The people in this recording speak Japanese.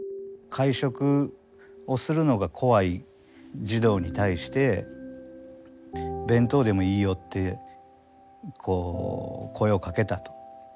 会食をするのが怖い児童に対して「弁当でもいいよ」ってこう声をかけたと。